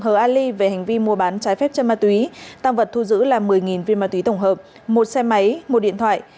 h a l i về hành vi mua bán trái phép cho ma túy tăng vật thu giữ là một mươi viên ma túy tổng hợp một xe máy một điện thoại